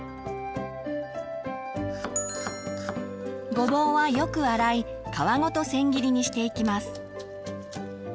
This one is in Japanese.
ごぼうはよく洗い皮ごと千切りにしていきます。